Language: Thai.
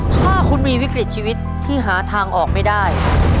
ถ้าคุณมีวิกฤตชีวิตที่หาทางออกไม่ได้